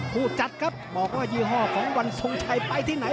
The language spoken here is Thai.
ผู้จัดครับบอกว่ายี่ห้อของวันทรงชัยไปที่ไหน